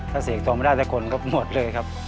ถ้าเสียงทำไม่ได้แต่คนก็หมดเลยครับ